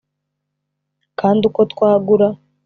Kandi uko twagura